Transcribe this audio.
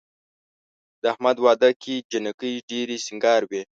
د احمد واده کې جینکۍ ډېرې سینګار وې.